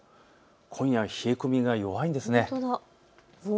今夜は冷え込みが弱いんです。